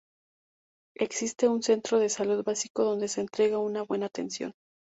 Existe un Centro de Salud básico donde se entrega buena atención.